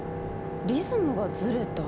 リズムがずれた。